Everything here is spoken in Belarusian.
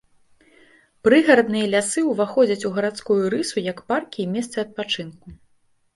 Прыгарадныя лясы ўваходзяць у гарадскую рысу як паркі і месцы адпачынку.